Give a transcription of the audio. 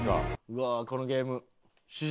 うわこのゲーム主人公。